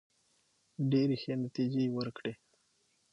ډېري ښې نتیجې وورکړې.